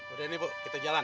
udah ini bu kita jalan